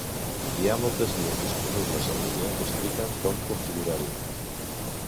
Hi ha moltes guies disponibles en línia que expliquen com configurar-ho.